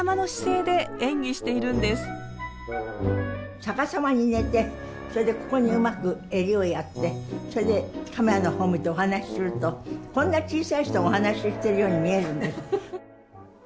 逆さまに寝てそれでここにうまく襟をやってそれでカメラの方を向いてお話しするとこんな小さい人がお話ししてるように見えるんです。